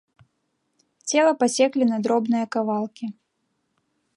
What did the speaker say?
Цела пасеклі на дробныя кавалкі.